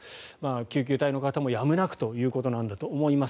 救急隊の方もやむなくということなんだと思います。